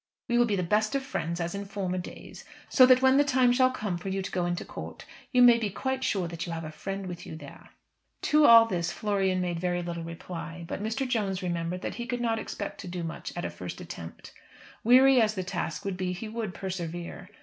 We will be the best of friends, as in former days, so that when the time shall have come for you to go into court, you may be quite sure that you have a friend with you there." To all this Florian made very little reply; but Mr. Jones remembered that he could not expect to do much at a first attempt. Weary as the task would be he would persevere.